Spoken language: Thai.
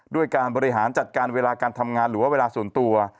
ด้วยการบริหารจัดการเวลาการทำงานหรือว่าเวลาส่วนตัว